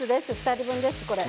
２人分です、これ。